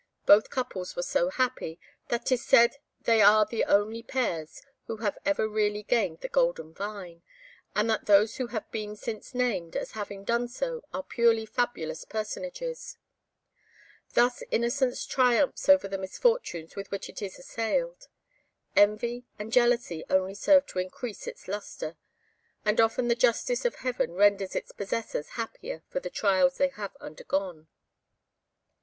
Both couples were so happy, that 'tis said they are the only pairs who have ever really gained the golden Vine, and that those who have been since named as having done so are purely fabulous personages. Thus innocence triumphs over the misfortunes with which it is assailed. Envy and jealousy only serve to increase its lustre; and often the justice of Heaven renders its possessors happier for the trials they have undergone.